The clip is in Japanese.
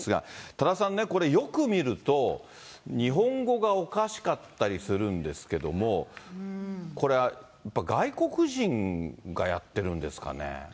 多田さんね、これよく見ると、日本語がおかしかったりするんですけども、これは、やっぱ外国人がやってるんですかね？